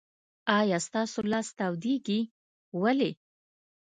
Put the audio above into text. آیا ستاسو لاس تودیږي؟ ولې؟